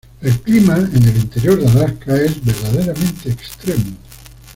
El clima en el interior de Alaska es verdaderamente extremo.